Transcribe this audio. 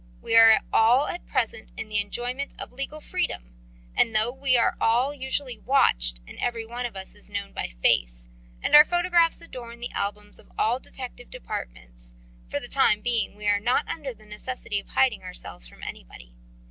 We are all at present in the enjoyment of legal freedom, and though we are usually watched, and every one of us is known by face, and our photographs adorn the albums of all detective departments, for the time being we are not under the necessity of hiding ourselves from anybody.